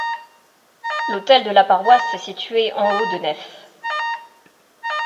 L’autel de la paroisse est situé en haut de nef.